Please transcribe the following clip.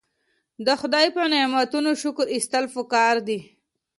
د خدای په نعمتونو شکر ایستل پکار دي.